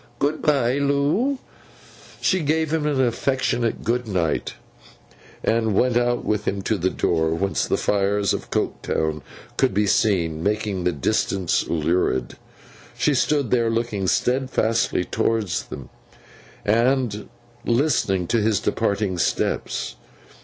'Good bye, Loo.' She gave him an affectionate good night, and went out with him to the door, whence the fires of Coketown could be seen, making the distance lurid. She stood there, looking steadfastly towards them, and listening to his departing steps.